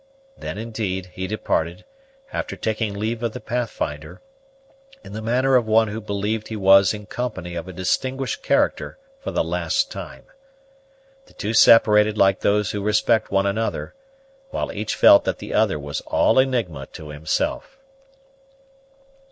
Then, indeed, he departed, after taking leave of the Pathfinder, in the manner of one who believed he was in company of a distinguished character for the last time. The two separated like those who respect one another, while each felt that the other was all enigma to himself.